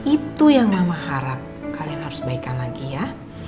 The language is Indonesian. itu yang mama harap kalian harus baikkan lagi ya